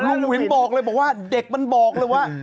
ลุงวินบอกเลยบอกว่าเด็กมันบอกเลยว่า